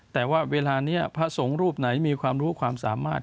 แต่ว่าเวลานี้พระสงฆ์รูปไหนมีความรู้ความสามารถ